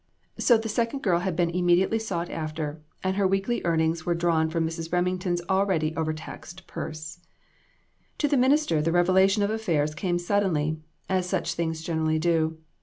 INTRICACIES. 28l So the second girl had been immediately sought after, and her weekly earnings were drawn from Mrs. Remington's already overtaxed purse. To the minister the revelation of affairs came suddenly, as such things generally do.